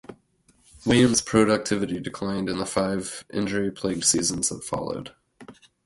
Williams' productivity declined in the five injury-plagued seasons that followed.